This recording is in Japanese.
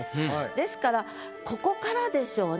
ですからここからでしょうね。